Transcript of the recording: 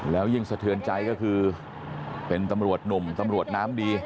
แล้วยิ่งสะเทือนใจก็คือเป็นตำรวจหนุ่มตำรวจน้ำดี